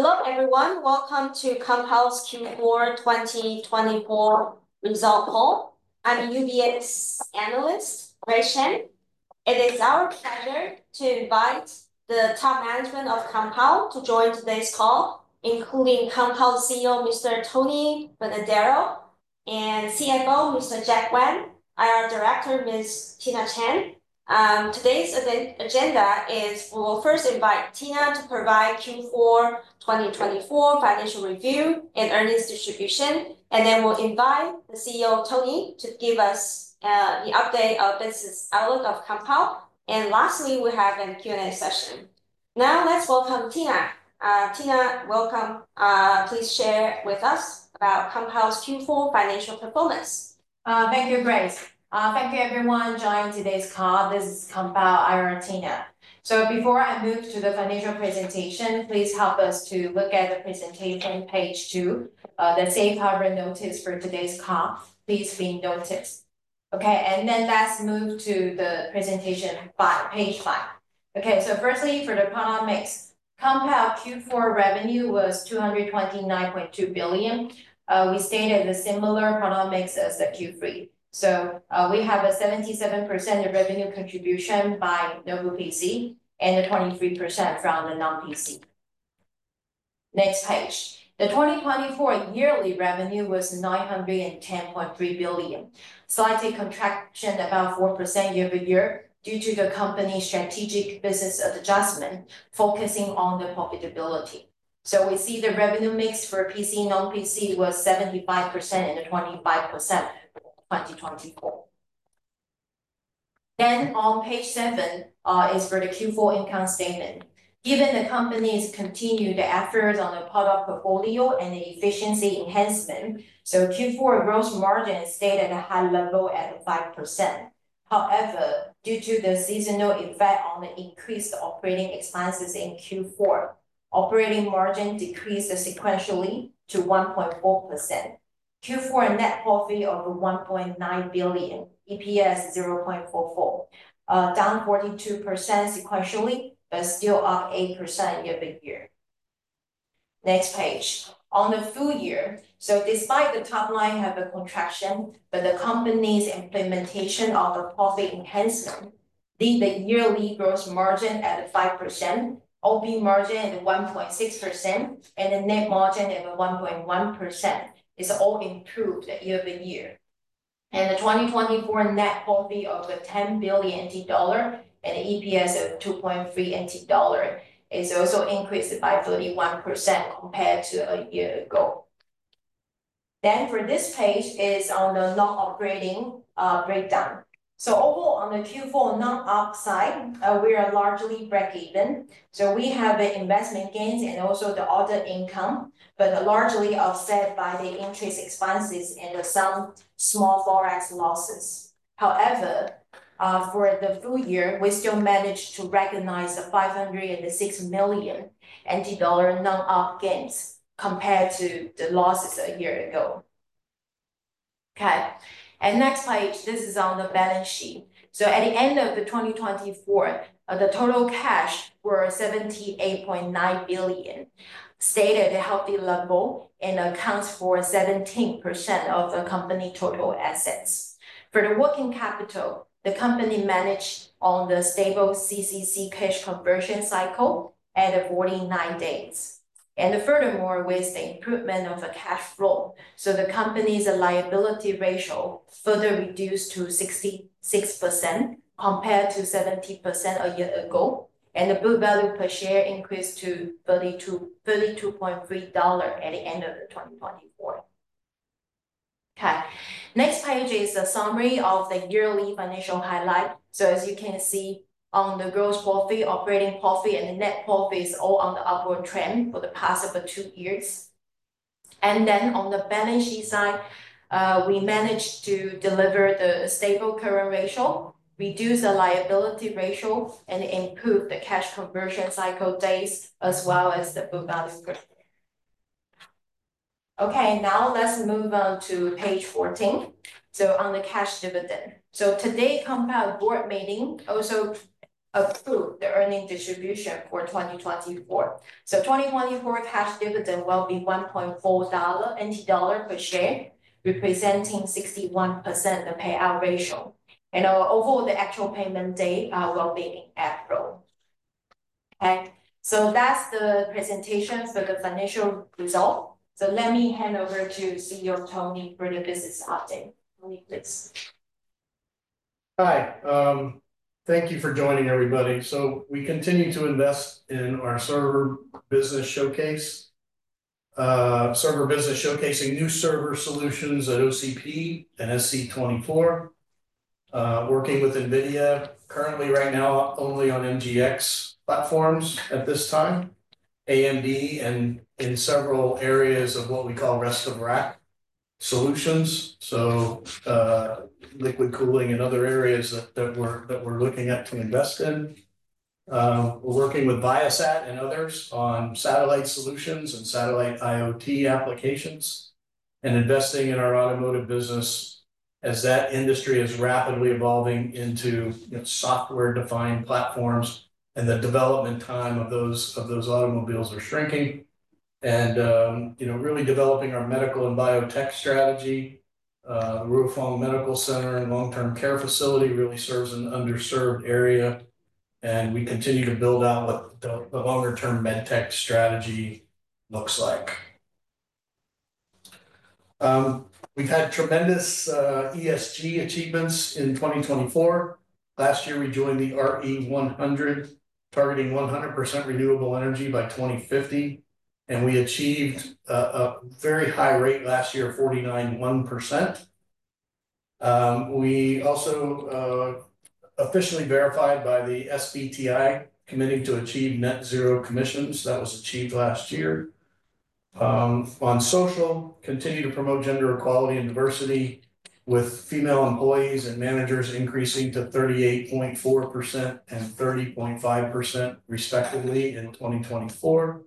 Thank you. Hello, everyone. Welcome to Compal's Q4 2024 results call. I'm UBS analyst Grace Chen. It is our pleasure to invite the top management of Compal to join today's call, including Compal CEO Mr. Anthony Bonadero and CFO Mr. Jack Wang, IR Director Ms. Tina Chang. Today's event agenda is we will first invite Tina to provide Q4 2024 financial review and earnings distribution, and then we'll invite the CEO, Tony, to give us the update of business outlook of Compal. Lastly, we'll have a Q&A session. Now let's welcome Tina. Tina, welcome. Please share with us about Compal's Q4 financial performance. Thank you, Grace. Thank you everyone joining today's call. This is Compal IR, Tina. Before I move to the financial presentation, please help us to look at the presentation page two, the Safe Harbor notice for today's call. Please read notice. Okay, then let's move to the presentation, page five. Okay, firstly, for the product mix, Compal Q4 revenue was 229.2 billion. We stayed at a similar product mix as the Q3. We have a 77% of revenue contribution by Notebook PC and a 23% from the non-PC. Next page. The 2024 yearly revenue was 910.3 billion, a slight contraction about 4% year-over-year due to the company's strategic business adjustment focusing on profitability. We see the revenue mix for PC, non-PC was 75% and 25% for 2024. On page seven is for the Q4 income statement. Given the company's continued efforts on the product portfolio and the efficiency enhancement, Q4 gross margin stayed at a high level at 5%. Due to the seasonal effect on the increased operating expenses in Q4, operating margin decreased sequentially to 1.4%. Q4 net profit of 1.9 billion, EPS 0.44, down 42% sequentially, but still up 8% year-over-year. Next page. On the full year, despite the top line have a contraction, but the company's implementation of the profit enhancement leave the yearly gross margin at 5%, OP margin at 1.6%, and the net margin at 1.1%. It's all improved year-over-year. The 2024 net profit of NT$10 billion and EPS of NT$2.3 is also increased by 31% compared to a year ago. For this page is on the non-operating breakdown. Overall on the Q4 non-ops side, we are largely breakeven. We have the investment gains and also the other income, but largely offset by the interest expenses and some small Forex losses. However, for the full year, we still managed to recognize NT$506 million non-op gains compared to the losses a year ago. Okay. Next page, this is on the balance sheet. At the end of 2024, the total cash were 78.9 billion, stayed at a healthy level and accounts for 17% of the company total assets. For the working capital, the company managed a stable CCC cash conversion cycle at 49 days. Furthermore, with the improvement of the cash flow, the company's liability ratio further reduced to 66% compared to 70% a year ago, and the book value per share increased to $32.3 at the end of 2024. Okay. Next page is a summary of the yearly financial highlights. As you can see on the gross profit, operating profit, and the net profit is all on the upward trend for the past two years. On the balance sheet side, we managed to deliver the stable current ratio, reduce the liability ratio, and improve the cash conversion cycle days as well as the book value per share. Okay, now let's move on to page 14, so on the cash dividend. Today, Compal board meeting also approved the earnings distribution for 2024. 2024 cash dividend will be NT$1.4 per share, representing 61% payout ratio. Overall, the actual payment date will be in April. Okay. That's the presentation for the financial result. Let me hand over to CEO Tony for the business update. Tony, please. Hi. Thank you for joining, everybody. We continue to invest in our server business, showcasing new server solutions at OCP and SC24. Working with NVIDIA currently right now only on MGX platforms at this time, AMD and in several areas of what we call rest of rack solutions. Liquid cooling and other areas that we're looking at to invest in. We're working with Viasat and others on satellite solutions and satellite IoT applications. Investing in our automotive business as that industry is rapidly evolving into, you know, software-defined platforms and the development time of those automobiles are shrinking. You know, really developing our medical and biotech strategy. Ruifang Medical and Long-Term Care Facility really serves an underserved area, and we continue to build out what the longer-term med tech strategy looks like. We've had tremendous ESG achievements in 2024. Last year, we joined the RE100, targeting 100% renewable energy by 2050, and we achieved a very high rate last year, 49.1%. We also officially verified by the SBTi committing to achieve net zero emissions. That was achieved last year. On social, continue to promote gender equality and diversity with female employees and managers increasing to 38.4% and 30.5% respectively in 2024.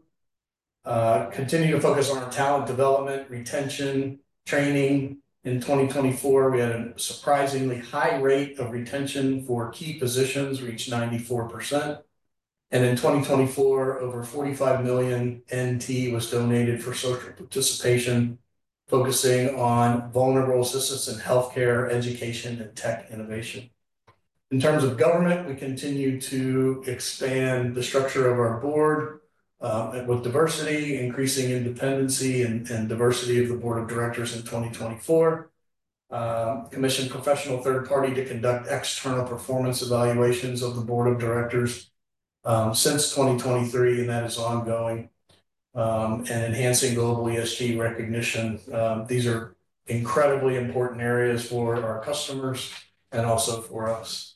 Continue to focus on talent development, retention, training. In 2024, we had a surprisingly high rate of retention for key positions, reached 94%. In 2024, over NT$45 million was donated for social participation, focusing on vulnerable assistance in healthcare, education, and tech innovation. In terms of governance, we continue to expand the structure of our board with diversity, increasing independence and diversity of the board of directors in 2024. Commissioned professional third party to conduct external performance evaluations of the board of directors since 2023, and that is ongoing. Enhancing global ESG recognition. These are incredibly important areas for our customers and also for us.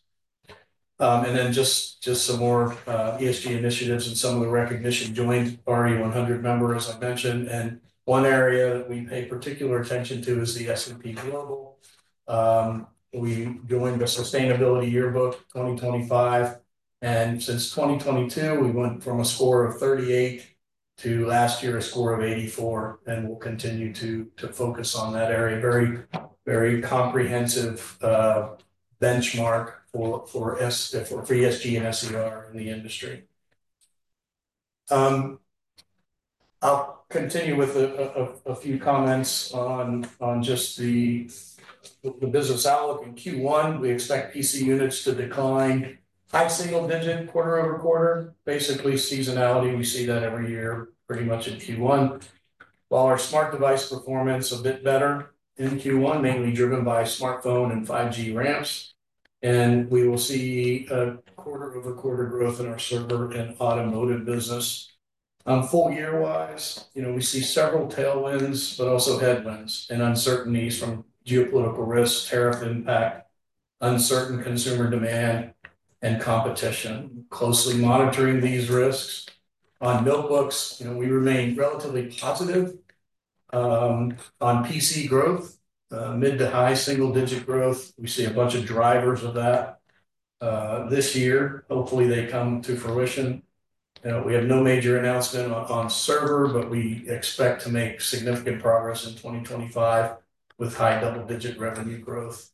Just some more ESG initiatives and some of the recognition. Joined RE100 member, as I mentioned. One area that we pay particular attention to is the S&P Global. We joined the Sustainability Yearbook 2025, and since 2022, we went from a score of 38 to last year a score of 84, and we'll continue to focus on that area. Very, very comprehensive benchmark for ESG and CSR in the industry. I'll continue with a few comments on just the business outlook. In Q1, we expect PC units to decline high single-digit quarter-over-quarter. Basically seasonality, we see that every year pretty much in Q1. While our smart device performance a bit better in Q1, mainly driven by smartphone and 5G ramps, and we will see a quarter-over-quarter growth in our server and automotive business. Full year-wise, you know, we see several tailwinds, but also headwinds and uncertainties from geopolitical risk, tariff impact, uncertain consumer demand, and competition. Closely monitoring these risks. On notebooks, you know, we remain relatively positive on PC growth, mid to high single-digit growth. We see a bunch of drivers of that this year. Hopefully, they come to fruition. You know, we have no major announcement on server, but we expect to make significant progress in 2025 with high double-digit revenue growth.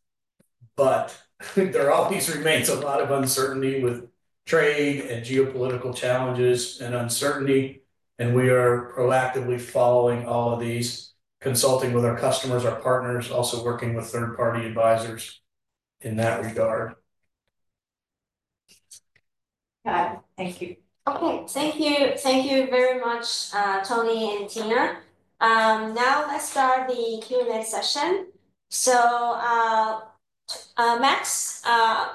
I think there always remains a lot of uncertainty with trade and geopolitical challenges and uncertainty, and we are proactively following all of these, consulting with our customers, our partners, also working with third-party advisors in that regard. Got it. Thank you. Okay. Thank you. Thank you very much, Tony and Tina. Now let's start the Q&A session. Max,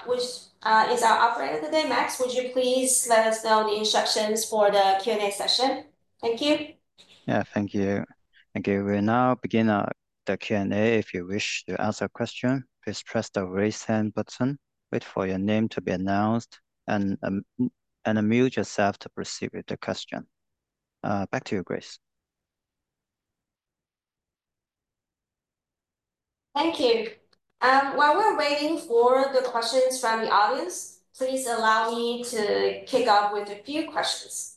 who is our operator today, would you please let us know the instructions for the Q&A session? Thank you. Yeah. Thank you. Okay. We'll now begin the Q&A. If you wish to ask a question, please press the Raise Hand button, wait for your name to be announced, and unmute yourself to proceed with the question. Back to you, Grace. Thank you. While we're waiting for the questions from the audience, please allow me to kick off with a few questions.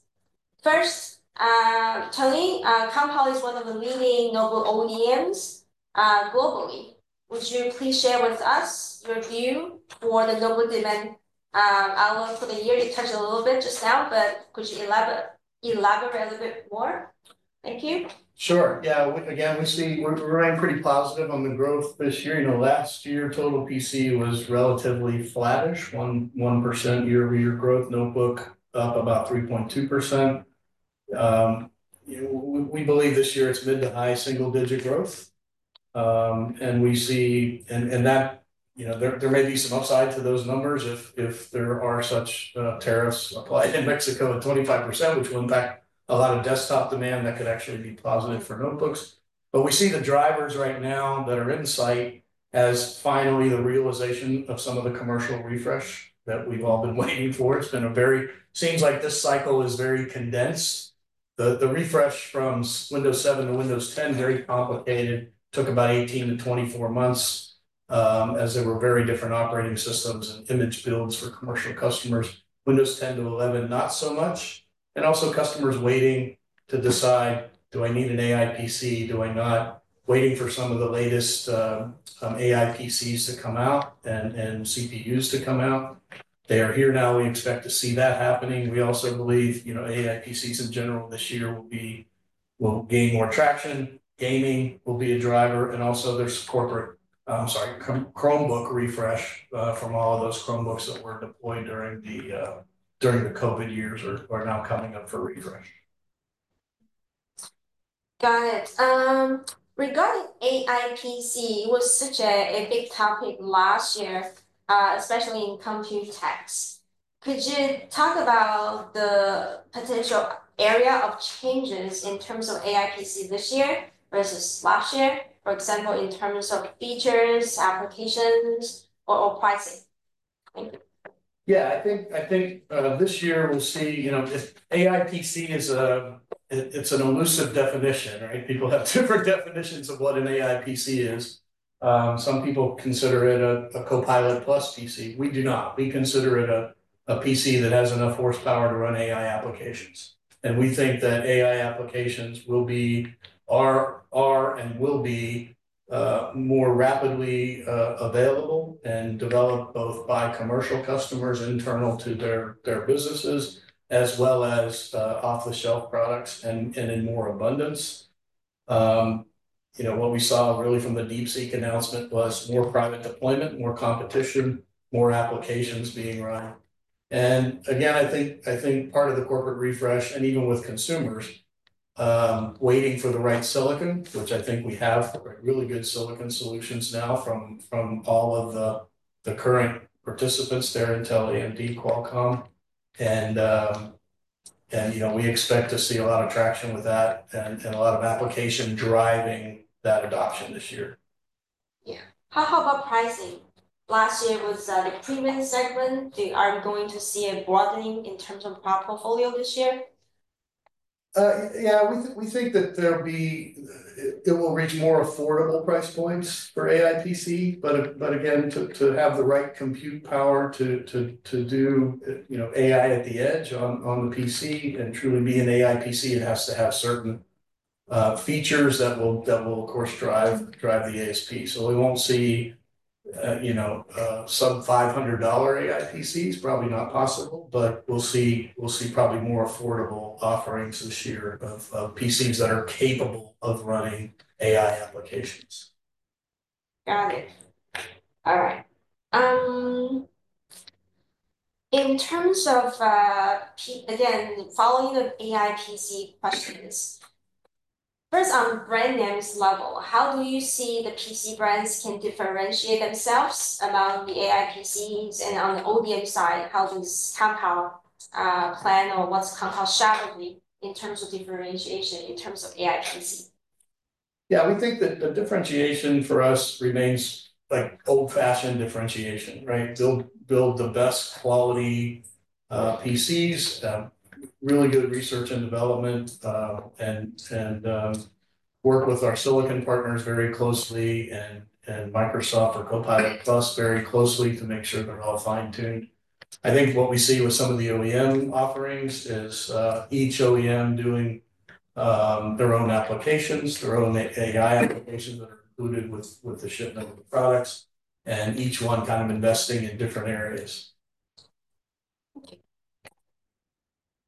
First, Tony, Compal is one of the leading notebook OEMs globally. Would you please share with us your view for the notebook demand outlook for the year? You touched a little bit just now, but could you elaborate a little bit more? Thank you. Sure. Yeah. Again, we see we're remaining pretty positive on the growth this year. You know, last year, total PC was relatively flattish, 1% year-over-year growth. Notebook up about 3.2%. We believe this year it's mid to high single-digit growth. That, you know, there may be some upside to those numbers if there are such tariffs applied in Mexico at 25%, which will impact a lot of desktop demand that could actually be positive for notebooks. We see the drivers right now that are in sight as finally the realization of some of the commercial refresh that we've all been waiting for. It's been a very condensed cycle. The refresh from Windows 7 to Windows 10, very complicated, took about 18 months to 24 months, as there were very different operating systems and image builds for commercial customers. Windows 10 to 11, not so much. Customers waiting to decide, do I need an AI PC? Do I not? Waiting for some of the latest AI PCs to come out and CPUs to come out. They are here now. We expect to see that happening. We also believe, you know, AI PCs in general this year will gain more traction. Gaming will be a driver. There's corporate Chromebook refresh from all of those Chromebooks that were deployed during the COVID years, are now coming up for refresh. Got it. Regarding AI PC, it was such a big topic last year, especially in Computex. Could you talk about the potential area of changes in terms of AI PC this year versus last year, for example, in terms of features, applications, or pricing? Thank you. Yeah. I think this year we'll see, you know, if AI PC is, it's an elusive definition, right? People have different definitions of what an AI PC is. Some people consider it a Copilot+ PC. We do not. We consider it a PC that has enough horsepower to run AI applications. We think that AI applications are and will be more rapidly available and developed both by commercial customers internal to their businesses as well as off-the-shelf products and in more abundance. You know, what we saw really from the DeepSeek announcement was more private deployment, more competition, more applications being run. Again, I think part of the corporate refresh, and even with consumers waiting for the right silicon, which I think we have really good silicon solutions now from all of the current participants there, Intel, AMD, Qualcomm. You know, we expect to see a lot of traction with that and a lot of application driving that adoption this year. Yeah. How about pricing? Last year was the premium segment. Are you going to see a broadening in terms of product portfolio this year? We think that it will reach more affordable price points for AI PC, but again, to have the right compute power to do, you know, AI at the edge on the PC and truly be an AI PC, it has to have certain features that will of course drive the ASP. We won't see some $500 AI PCs, probably not possible, but we'll see probably more affordable offerings this year of PCs that are capable of running AI applications. Got it. All right. In terms of, again, following the AI PC questions, first on brand names level, how do you see the PC brands can differentiate themselves among the AI PCs? On the ODM side, how does Compal plan or what's Compal strategy in terms of differentiation, in terms of AI PC? Yeah. We think that the differentiation for us remains like old-fashioned differentiation, right? Build the best quality PCs, really good research and development, and work with our silicon partners very closely and Microsoft or Copilot+ very closely to make sure they're all fine-tuned. I think what we see with some of the OEM offerings is each OEM doing their own applications, their own AI applications that are included with the shipment of the products, and each one kind of investing in different areas.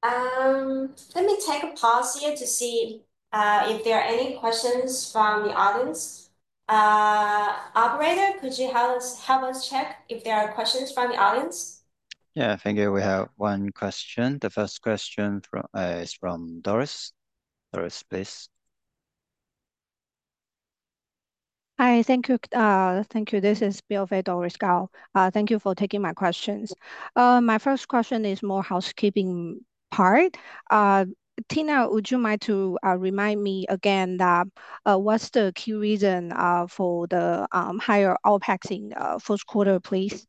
Thank you. Let me take a pause here to see if there are any questions from the audience. Operator, could you help us check if there are questions from the audience? Yeah. Thank you. We have one question. The first question is from Doris. Doris, please. Hi. Thank you. Thank you. This is BofA, Doris Kao. Thank you for taking my questions. My first question is more housekeeping part. Tina, would you mind to remind me again, what's the key reason for the higher OpEx in first quarter, please?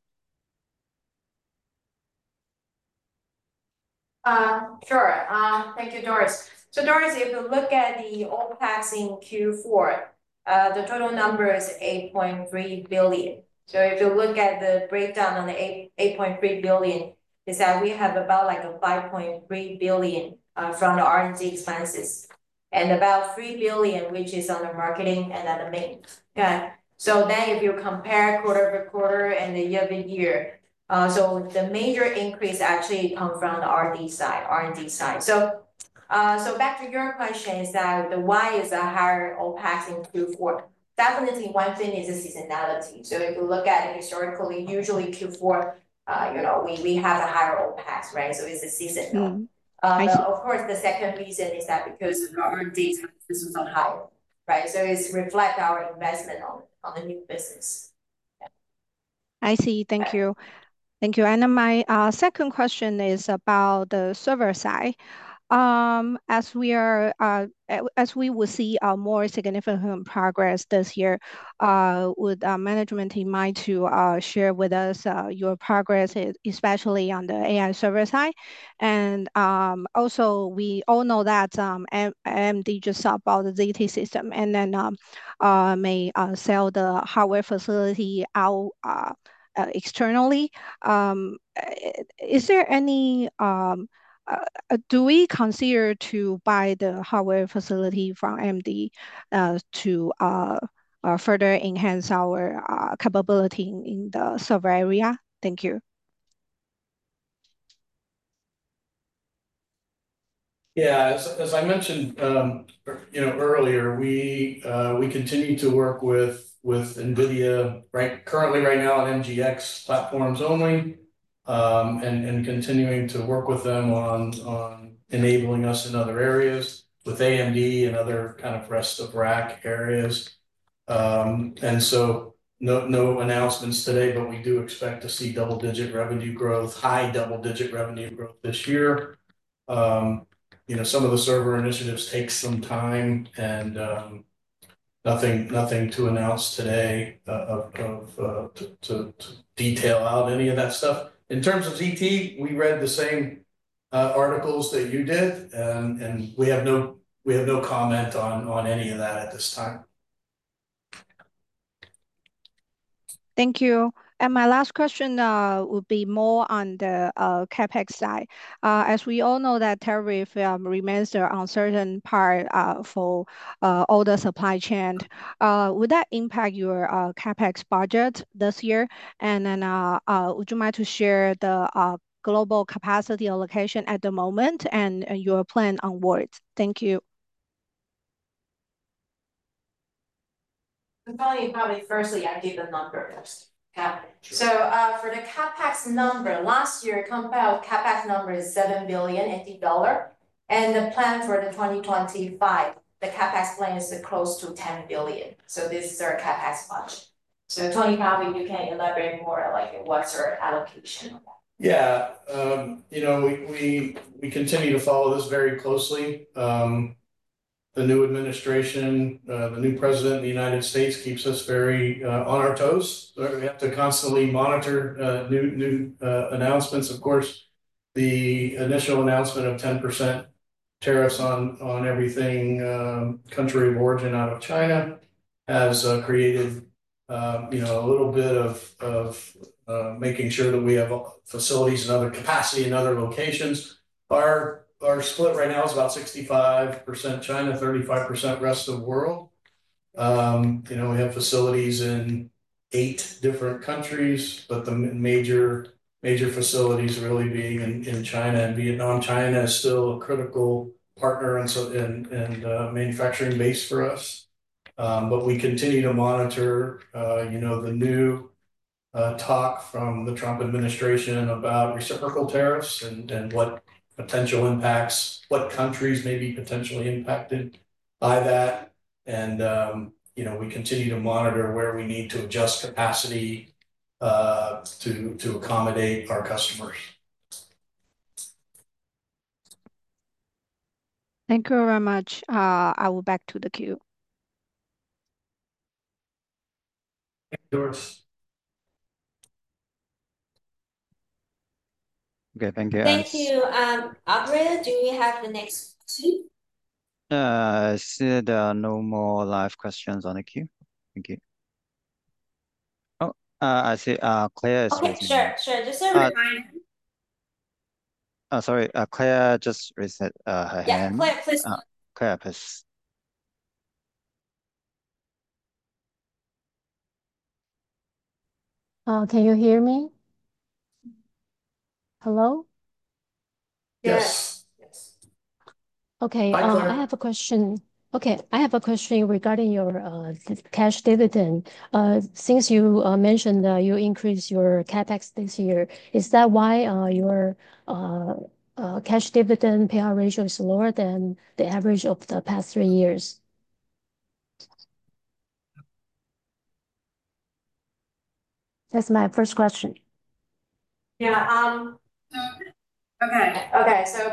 Sure. Thank you, Doris. Doris, if you look at the OpEx in Q4, the total number is 8.3 billion. If you look at the breakdown on the 8.3 billion, it is that we have about like a 5.3 billion from the R&D expenses, and about 3 billion, which is on the marketing and on the admin. Then if you compare quarter-over-quarter and the year-over-year, the major increase actually come from the R&D side. Back to your question is that why is the higher OpEx in Q4? Definitely one thing is the seasonality. If you look at it historically, usually Q4, you know, we have a higher OpEx, right? It's the seasonal. Mm-hmm. I see. Of course, the second reason is that because of our data business on AI, right? It reflects our investment on the new business. Yeah. I see. Thank you. Thank you. My second question is about the server side. As we will see more significant progress this year, would management team mind to share with us your progress, especially on the AI server side? Also we all know that AMD just bought the ZT Systems and then may sell the hardware facility out externally. Is there any? Do we consider to buy the hardware facility from AMD to further enhance our capability in the server area? Thank you. Yeah. As I mentioned, you know, earlier, we continue to work with NVIDIA, right, currently right now on MGX platforms only, and continuing to work with them on enabling us in other areas with AMD and other kind of rest of rack areas. No announcements today, but we do expect to see double-digit revenue growth, high double-digit revenue growth this year. You know, some of the server initiatives take some time, and nothing to announce today to detail out any of that stuff. In terms of ZT, we read the same articles that you did, and we have no comment on any of that at this time. Thank you. My last question would be more on the CapEx side. As we all know that tariff remains the uncertain part for all the supply chain. Would that impact your CapEx budget this year? And then, would you mind to share the global capacity allocation at the moment and your plan onwards? Thank you. Tony, probably firstly I give the number first. Sure. For the CapEx number, last year Compal CapEx number is NT$7 billion, and the plan for the 2025, the CapEx plan is close to NT$10 billion. This is our CapEx budget. Tony probably you can elaborate more, like what's our allocation. Yeah. You know, we continue to follow this very closely. The new administration, the new president of the United States keeps us very on our toes. We have to constantly monitor new announcements. Of course, the initial announcement of 10% tariffs on everything, country of origin out of China has created you know, a little bit of making sure that we have facilities and other capacity in other locations. Our split right now is about 65% China, 35% rest of the world. You know, we have facilities in eight different countries, but the major facilities really being in China and Vietnam. China is still a critical partner and manufacturing base for us. We continue to monitor, you know, the new talk from the Trump administration about reciprocal tariffs and what potential impacts, what countries may be potentially impacted by that. We continue to monitor where we need to adjust capacity to accommodate our customers. Thank you very much. I will go back to the queue. Thanks, Doris. Okay. Thank you. Thank you. Operator, do we have the next queue? I said there are no more live questions on the queue. Thank you. Oh, I see, Claire is raising her hand. Okay. Sure. Just a reminder. Oh, sorry. Claire just raised her hand. Yeah. Claire, please. Claire, please. Can you hear me? Hello? Yes. Yes. Okay. Hi, Claire. I have a question regarding your cash dividend. Since you mentioned that you increased your CapEx this year, is that why your cash dividend payout ratio is lower than the average of the past three years? That's my first question. Yeah. Okay.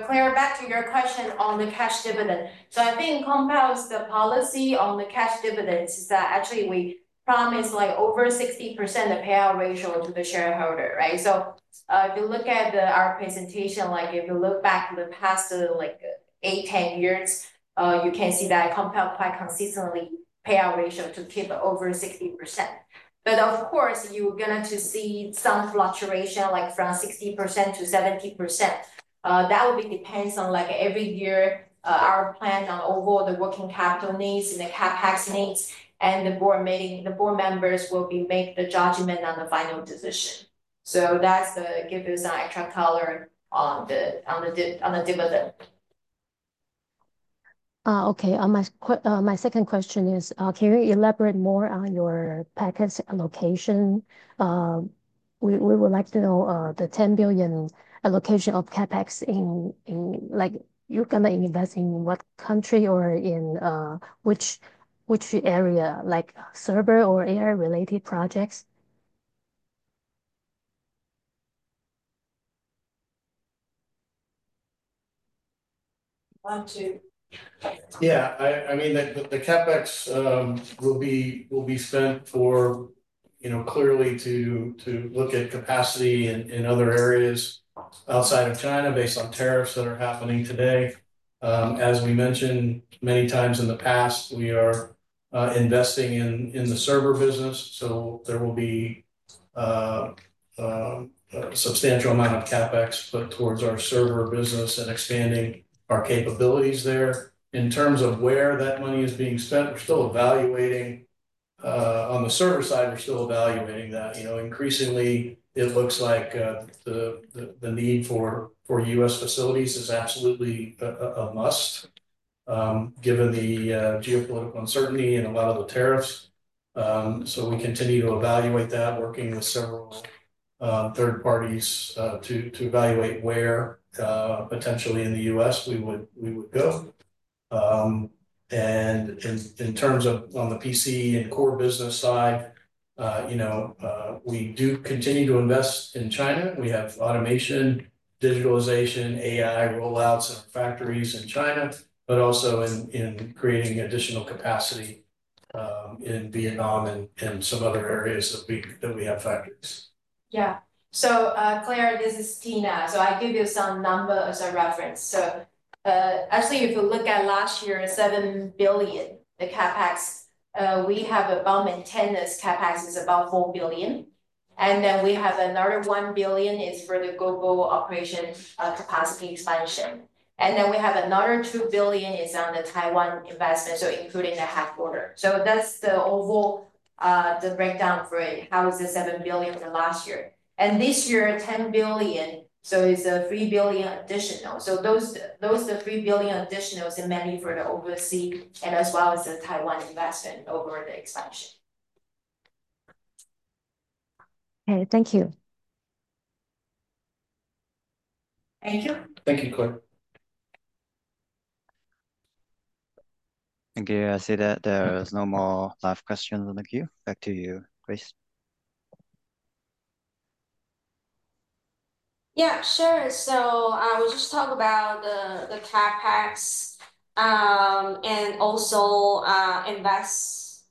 Claire, back to your question on the cash dividend. I think Compal's policy on the cash dividends is that actually we promise, like over 60% payout ratio to the shareholder, right? If you look at our presentation, like if you look back the past, like 8 years to 10 years, you can see that Compal quite consistently payout ratio to keep over 60%. Of course, you're going to see some fluctuation like from 60% to 70%. That would be depends on like every year our plan on overall the working capital needs and the CapEx needs, and the board members will be make the judgment on the final decision. That's give us an extra color on the dividend. Okay. My second question is, can you elaborate more on your CapEx allocation? We would like to know the NT$10 billion allocation of CapEx in like you're gonna invest in what country or in which area, like server or AI-related projects? Want to. I mean the CapEx will be spent for, you know, clearly to look at capacity in other areas outside of China based on tariffs that are happening today. As we mentioned many times in the past, we are investing in the server business. There will be a substantial amount of CapEx put towards our server business and expanding our capabilities there. In terms of where that money is being spent, we're still evaluating. On the server side, we're still evaluating that. You know, increasingly it looks like the need for U.S. facilities is absolutely a must given the geopolitical uncertainty and a lot of the tariffs. We continue to evaluate that, working with several third parties to evaluate where potentially in the U.S. we would go. In terms of on the PC and core business side, you know, we do continue to invest in China. We have automation, digitalization, AI rollouts in factories in China, but also in creating additional capacity in Vietnam and some other areas that we have factories. Claire, this is Tina. I give you some numbers as a reference. Actually, if you look at last year, 7 billion, the CapEx. We have about maintenance CapEx is about 4 billion. Then we have another 1 billion is for the global operation, capacity expansion. Then we have another 2 billion is on the Taiwan investment, so including the headquarters. That's the overall, the breakdown for how is the 7 billion for last year. This year, 10 billion, so is a 3 billion additional. Those are the 3 billion additionals are mainly for the overseas and as well as the Taiwan investment over the expansion. Okay, thank you. Thank you. Thank you, Claire. Thank you. I see that there is no more live questions in the queue. Back to you, Grace. Yeah, sure. We just talked about the CapEx and also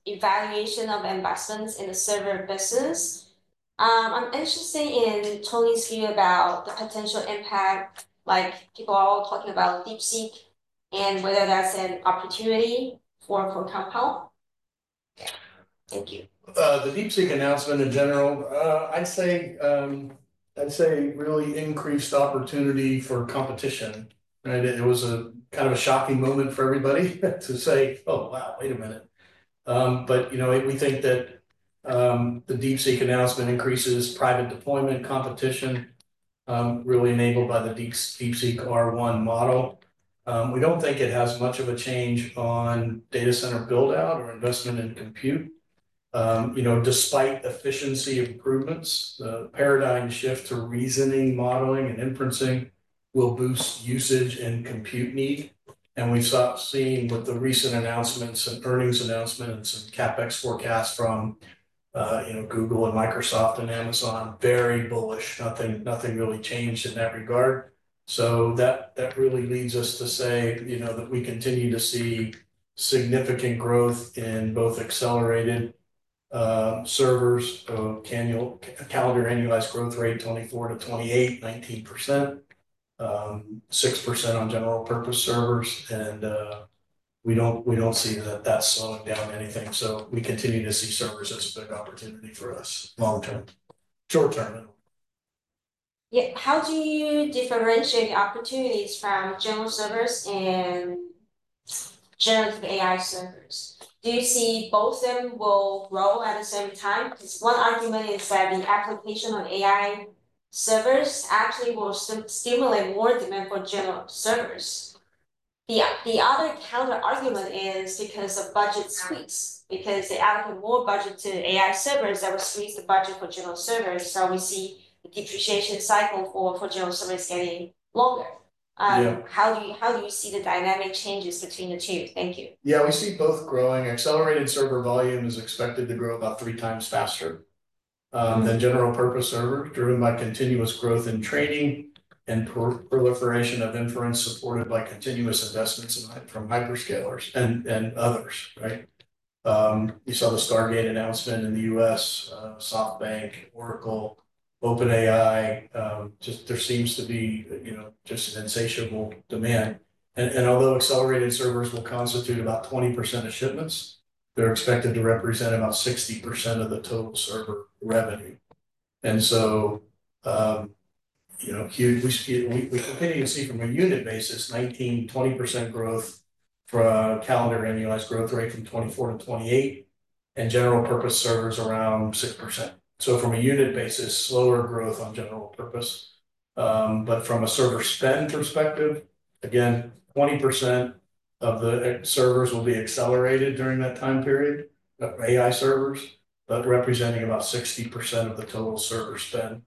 evaluation of investments in the server business. I'm interested in Tony's view about the potential impact, like people are all talking about DeepSeek, and whether that's an opportunity for Compal. Thank you. The DeepSeek announcement in general, I'd say really increased opportunity for competition, right? It was a kind of a shocking moment for everybody to say, "Oh, wow, wait a minute." You know, we think that the DeepSeek announcement increases private deployment competition, really enabled by the DeepSeek R1 model. We don't think it has much of a change on data center build-out or investment in compute. You know, despite efficiency improvements, the paradigm shift to reasoning, modeling, and inferencing will boost usage and compute need. We've started seeing with the recent announcements and earnings announcements and CapEx forecasts from, you know, Google and Microsoft and Amazon, very bullish. Nothing really changed in that regard. That really leads us to say, you know, that we continue to see significant growth in both accelerated servers of calendar annualized growth rate 24% to 28%, 19%, 6% on general purpose servers. We don't see that that's slowing down anything. We continue to see servers as a big opportunity for us long term. Short term. Yeah. How do you differentiate the opportunities from general servers and generative AI servers? Do you see both of them will grow at the same time? Because one argument is that the application of AI servers actually will stimulate more demand for general servers. The other counterargument is because of budget squeeze, because they allocate more budget to AI servers, that will squeeze the budget for general servers, so we see the depreciation cycle for general servers getting longer. Yeah. How do you see the dynamic changes between the two? Thank you. Yeah, we see both growing. Accelerated server volume is expected to grow about three times faster than general purpose server, driven by continuous growth in training and proliferation of inference supported by continuous investments from hyperscalers and others, right? You saw the Stargate announcement in the U.S., SoftBank, Oracle, OpenAI. Just there seems to be, you know, just an insatiable demand. Although accelerated servers will constitute about 20% of shipments, they're expected to represent about 60% of the total server revenue. We continue to see from a unit basis 19% to 20% growth from calendar annualized growth rate from 2024 to 2028, and general purpose servers around 6%. From a unit basis, slower growth on general purpose. From a server spend perspective, again, 20% of the servers will be accelerated during that time period, of AI servers, but representing about 60% of the total server spend.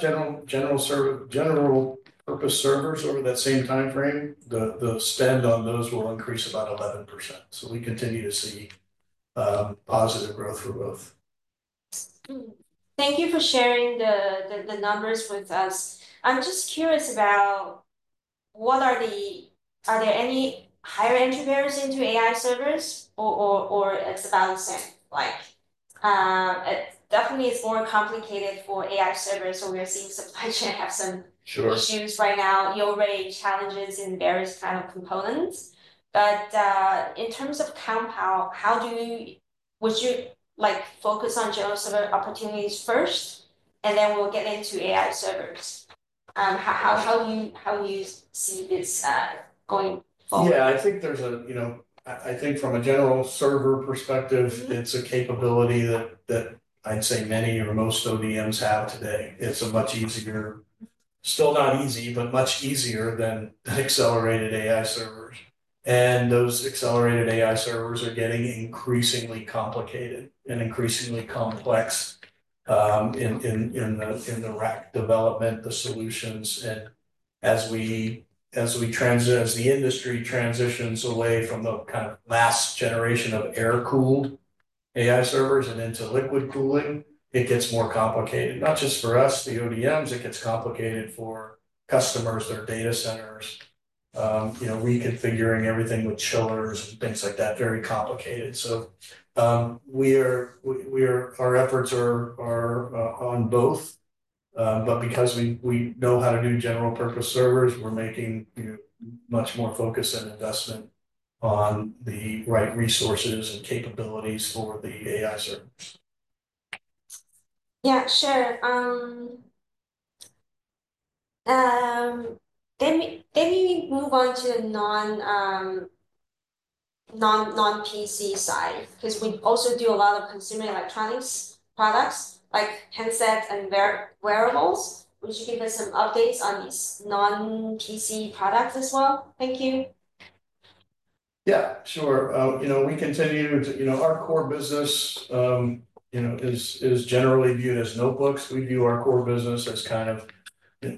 General purpose servers over that same time frame, the spend on those will increase about 11%. We continue to see positive growth for both. Thank you for sharing the numbers with us. I'm just curious. Are there any higher entry barriers into AI servers or it's about the same? Like, it definitely is more complicated for AI servers, so we are seeing supply chain have some. Sure. Issues right now. You already have challenges in various kind of components. In terms of Compal, would you, like, focus on general server opportunities first, and then we'll get into AI servers? How do you see this going forward? Yeah. I think there's a, you know, I think from a general server perspective. Mm-hmm.... it's a capability that I'd say many or most ODMs have today. It's a much easier, still not easy, but much easier than accelerated AI servers. Those accelerated AI servers are getting increasingly complicated and increasingly complex in the rack development, the solutions. As the industry transitions away from the kind of last generation of air-cooled AI servers and into liquid cooling, it gets more complicated. Not just for us, the ODMs, it gets complicated for customers, their data centers, you know, reconfiguring everything with chillers and things like that. Very complicated. Our efforts are on both but because we know how to do general purpose servers, we're making, you know, much more focus and investment on the right resources and capabilities for the AI servers. Yeah, sure. Let me move on to the non-PC side, 'cause we also do a lot of consumer electronics products like handsets and wearables. Would you give us some updates on these non-PC products as well? Thank you. Yeah, sure. You know, our core business, you know, is generally viewed as notebooks. We view our core business as kind of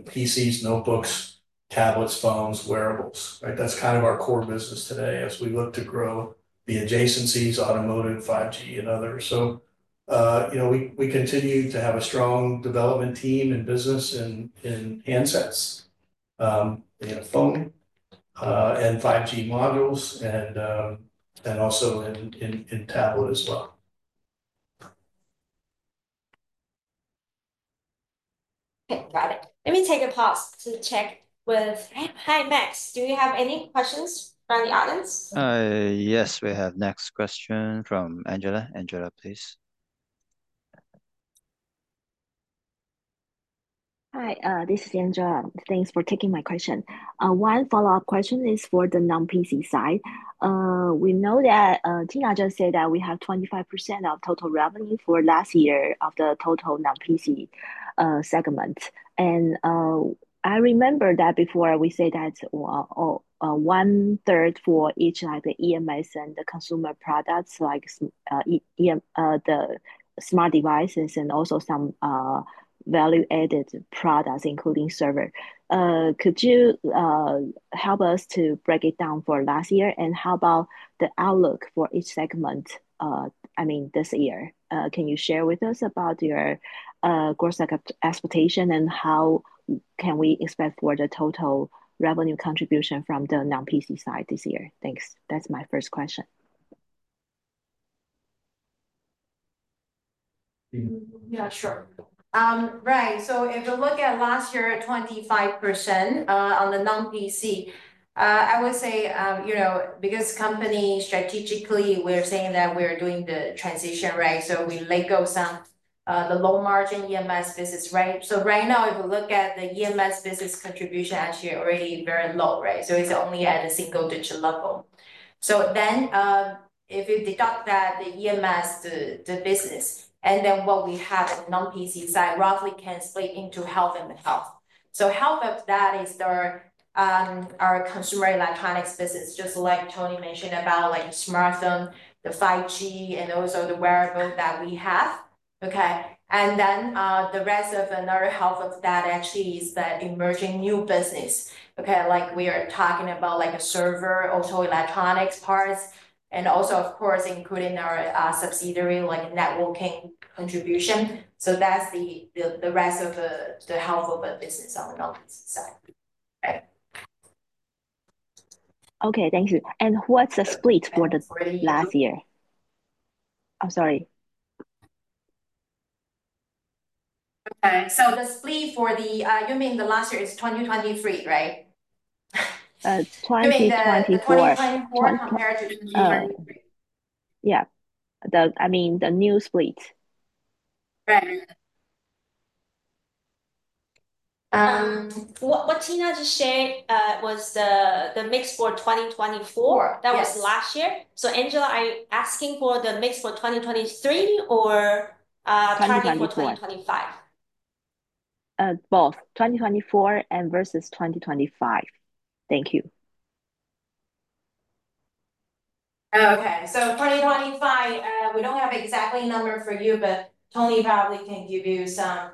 PCs, notebooks, tablets, phones, wearables, right? That's kind of our core business today as we look to grow the adjacencies, automotive, 5G, and others. You know, we continue to have a strong development team and business in handsets, you know, phone and 5G modules and also in tablet as well. Okay. Got it. Let me take a pause. Hi, Max. Do we have any questions from the audience? Yes, we have next question from Angela. Angela, please. Hi. This is Angela. Thanks for taking my question. One follow-up question is for the non-PC side. We know that Tina Chen just said that we have 25% of total revenue for last year of the total non-PC segment. I remember that before we say that 1/3 for each, like the EMS and the consumer products like the smart devices and also some value-added products, including server. Could you help us to break it down for last year? How about the outlook for each segment, I mean this year? Can you share with us about your growth, like, expectation, and how can we expect for the total revenue contribution from the non-PC side this year? Thanks. That's my first question. Yeah, sure. Right. If you look at last year, 25% on the non-PC, I would say, you know, because the company strategically we're saying that we're doing the transition, right? We let go some of the low-margin EMS business, right? Right now, if you look at the EMS business contribution, actually already very low, right? It's only at a single-digit level. Then, if you deduct that, the EMS business, and then what we have is non-PC side roughly can split into half and half. Half of that is our consumer electronics business, just like Tony mentioned about, like smartphone, the 5G, and also the wearable that we have. Okay. The rest of the other half of that actually is the emerging new business, okay, like we are talking about like a server, also electronics parts, and also, of course, including our subsidiary, like networking contribution. That's the rest of the half of the business on the non-PC side. Okay. Okay. Thank you. What's the split for the last year? I'm sorry. Okay. The split for the, you mean the last year is 2023, right? 2024. 2024 compared to 2023. Yeah. The, I mean, the new split. Right. What Tina just shared was the mix for 2024. Yes. That was last year. Angela, are you asking for the mix for 2023 or 2025? Both. 2024 and versus 2025. Thank you. Okay. 2025, we don't have exact number for you, but Tony probably can give you some,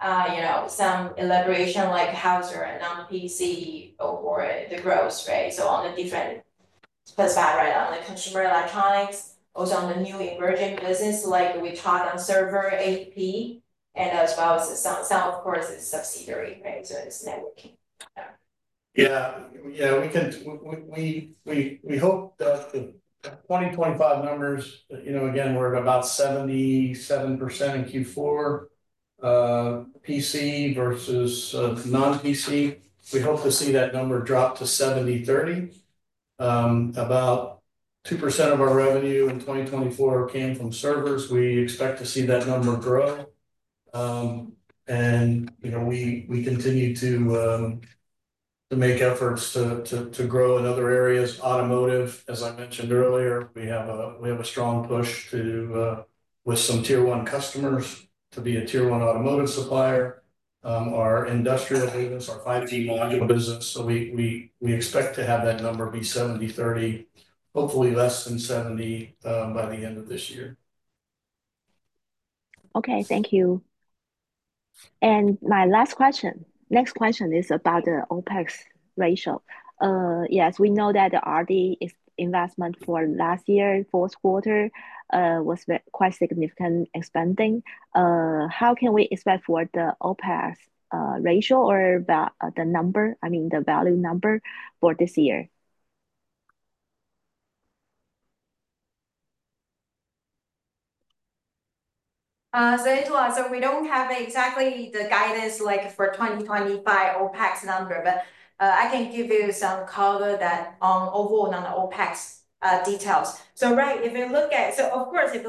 you know, some elaboration like how's our non-PC or the growth rate, so on the different perspective, right, on the consumer electronics, also on the new emerging business like we talked on server AP, and as well as some of course subsidiaries, right? It's networking. Yeah. We hope that the 2025 numbers, you know, again, we're at about 77% in Q4, PC versus non-PC. We hope to see that number drop to 70-30. About 2% of our revenue in 2024 came from servers. We expect to see that number grow. You know, we continue to make efforts to grow in other areas. Automotive, as I mentioned earlier, we have a strong push with some tier one customers to be a tier one automotive supplier. Our industrial units, our 5G module business. We expect to have that number be 70-30, hopefully less than 70, by the end of this year. Okay, thank you. Next question is about the OPEX ratio. Yes, we know that the R&D investment for last year, fourth quarter, was very, quite significant expanding. How can we expect for the OPEX ratio or the number, I mean, the value number for this year? Angela, we don't have exactly the guidance, like, for 2025 OPEX number, but I can give you some color that on overall on the OPEX details. If you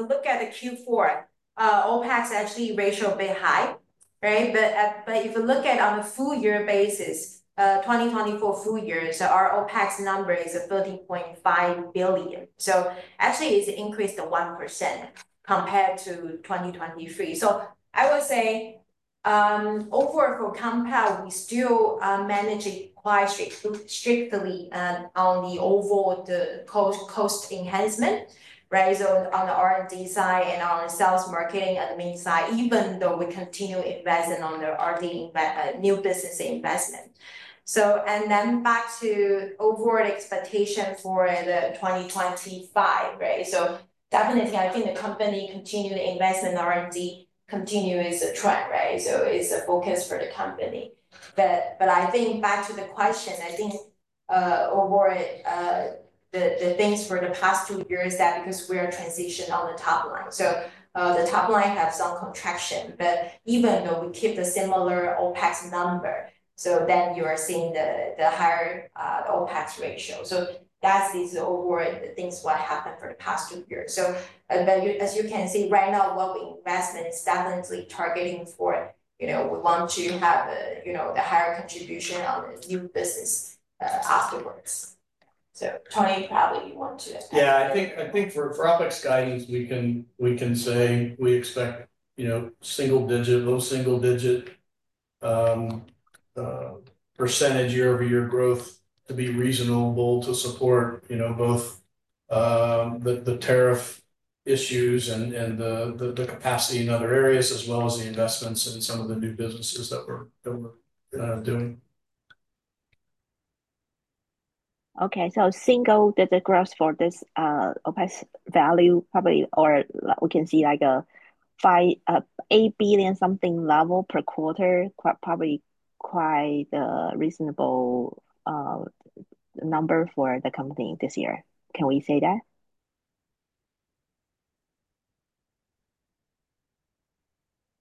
look at the Q4, OPEX actually ratio a bit high, right? If you look at on a full year basis, 2024 full year, our OPEX number is 13.5 billion. Actually it's increased to 1% compared to 2023. I would say, overall for Compal, we still managing quite strictly on the overall the cost cost enhancement, right? On the R&D side and on the sales marketing admin side, even though we continue investing on the R&D new business investment. And then back to overall expectation for the 2025, right? Definitely, I think the company continue to invest in R&D continue is a trend, right? It's a focus for the company. I think back to the question, I think, overall, the things for the past two years that because we are transitioned on the top line. The top line have some contraction, but even though we keep the similar OPEX number, you are seeing the higher OPEX ratio. That is the overall the things what happened for the past two years. As you can see right now what we invest in is definitely targeting for, you know, we want to have the, you know, the higher contribution on the new business, afterwards. Tony, probably you want to explain. Yeah. I think for OPEX guidance, we can say we expect, you know, low single-digit % year-over-year growth to be reasonable to support, you know, both the tariff issues and the capacity in other areas as well as the investments in some of the new businesses that we're doing. Okay. Single-digit growth for this OPEX value probably, or we can see like a 8 billion something level per quarter, probably quite a reasonable number for the company this year. Can we say that?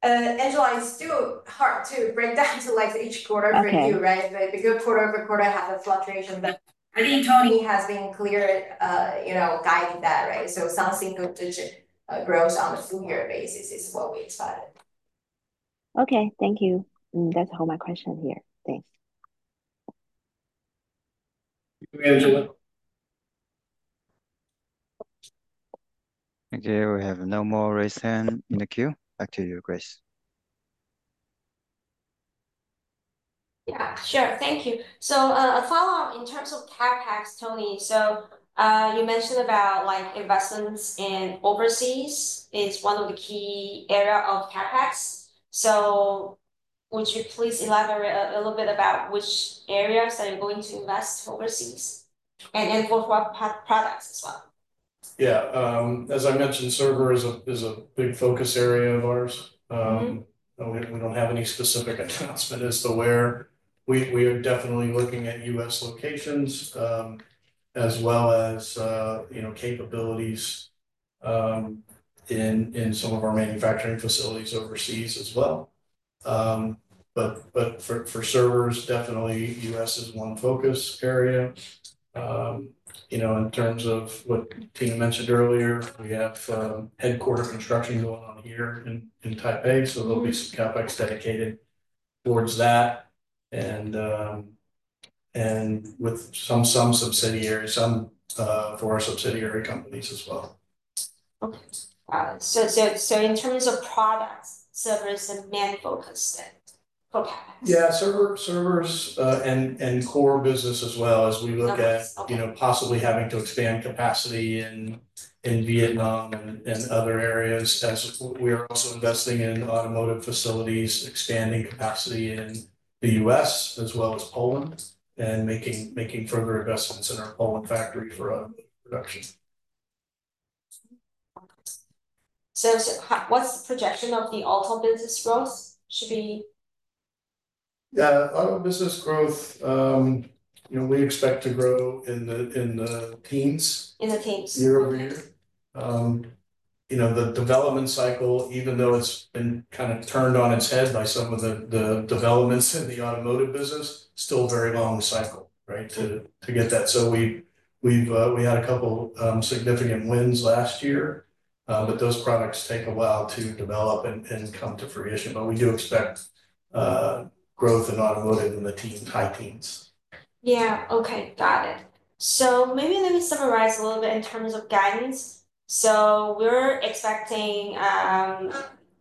Angela, it's still hard to break down to like each quarter preview, right? Okay. Like each quarter, every quarter has a fluctuation. I think Tony has been clear, you know, guiding that, right? Some single-digit growth on a full year basis is what we expected. Okay. Thank you. That's all my question here. Thanks. Thank you, Angela. Okay. We have no more raised hand in the queue. Back to you, Grace. Yeah, sure. Thank you. A follow-up in terms of CapEx, Tony. You mentioned about like investments in overseas is one of the key area of CapEx. Would you please elaborate a little bit about which areas that you're going to invest overseas and for what products as well? Yeah. As I mentioned, server is a big focus area of ours. Mm-hmm. We don't have any specific announcement as to where. We are definitely looking at U.S. locations, as well as, you know, capabilities, in some of our manufacturing facilities overseas as well. For servers, definitely U.S. is one focus area. You know, in terms of what Tina mentioned earlier, we have headquarters construction going on here in Taipei, so there'll be some CapEx dedicated towards that and with some subsidiaries for our subsidiary companies as well. Okay. In terms of products, servers are main focus then for CapEx? Yeah, servers and core business as well as we look at- Okay. You know, possibly having to expand capacity in Vietnam and other areas as we are also investing in automotive facilities, expanding capacity in the U.S. as well as Poland, and making further investments in our Poland factory for production. What's the projection of the auto business growth should be? Yeah, auto business growth, you know, we expect to grow in the teens. In the teens, okay. Year-over-year. You know, the development cycle, even though it's been kind of turned on its head by some of the developments in the automotive business, still very long cycle, right? To get that. We had a couple significant wins last year, but those products take a while to develop and come to fruition. We do expect growth in automotive in the teens, high teens. Yeah. Okay. Got it. Maybe let me summarize a little bit in terms of guidance. We're expecting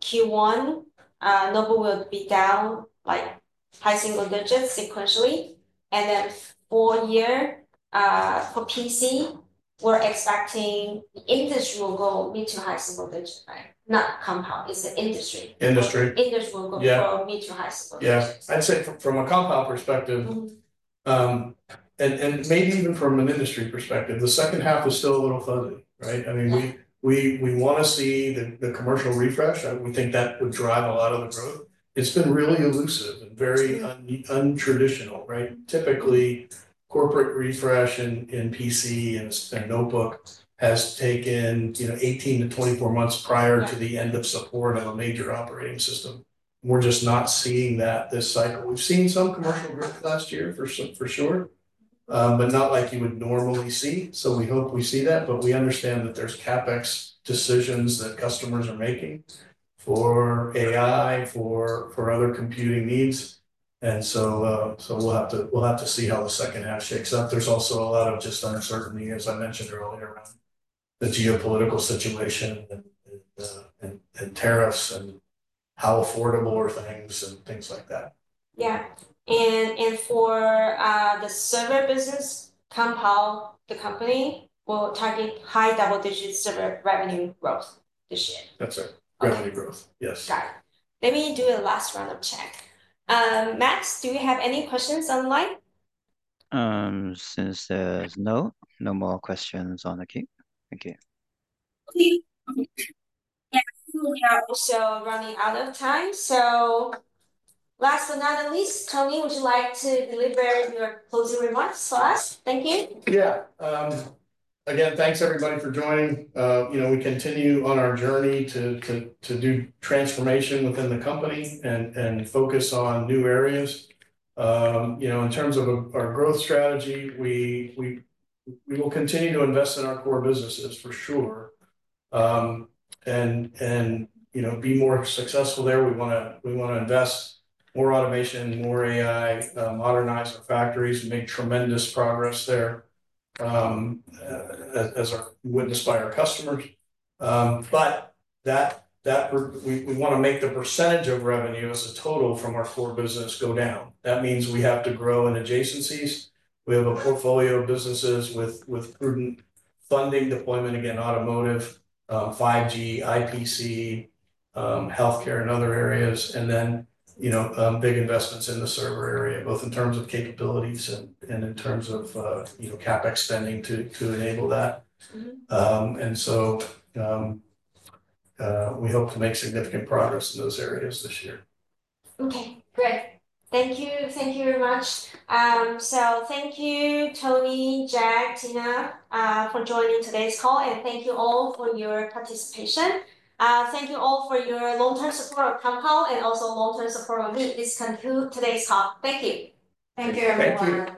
Q1 notebook will be down, like, high single-digit% sequentially. Then full year for PC, we're expecting industry will go mid to high single-digit right? Not Compal. It's the industry. Industry. Industry will go- Yeah. mid to high single-digits. Yeah. I'd say from a Compal perspective. Mm-hmm. maybe even from an industry perspective, the second half is still a little fuzzy, right? I mean Yeah. We wanna see the commercial refresh. We think that would drive a lot of the growth. It's been really elusive and very. True. untraditional, right? Typically, corporate refresh in PC and notebook has taken, you know, 18 months to 24 months prior- Right... to the end of support of a major operating system. We're just not seeing that this cycle. We've seen some commercial growth last year, for sure, but not like you would normally see. We hope we see that, but we understand that there's CapEx decisions that customers are making for AI, for other computing needs. We'll have to see how the second half shakes out. There's also a lot of just uncertainty, as I mentioned earlier, around the geopolitical situation and tariffs and how affordable are things and things like that. Yeah. For the server business, Compal, the company, will target high double-digit server revenue growth this year. That's right. Okay. Revenue growth. Yes. Got it. Let me do a last round of check. Max, do you have any questions online? Since there's no more questions on the queue. Thank you. Okay. Yeah, we are also running out of time, so last but not least, Tony, would you like to deliver your closing remarks for us? Thank you. Yeah. Again, thanks everybody for joining. You know, we continue on our journey to do transformation within the company and focus on new areas. You know, in terms of our growth strategy, we will continue to invest in our core businesses for sure. You know, be more successful there. We wanna invest more automation, more AI, modernize our factories, make tremendous progress there, as are witnessed by our customers. But we wanna make the percentage of revenue as a total from our core business go down. That means we have to grow in adjacencies. We have a portfolio of businesses with prudent funding deployment, again, automotive, 5G, IPC, healthcare and other areas. You know, big investments in the server area, both in terms of capabilities and in terms of CapEx spending to enable that. Mm-hmm. We hope to make significant progress in those areas this year. Okay, great. Thank you. Thank you very much. Thank you Tony, Jack, Tina, for joining today's call, and thank you all for your participation. Thank you all for your long-term support of Compal and also long-term support of me. This conclude today's talk. Thank you. Thank you. Thank you, everyone. Bye.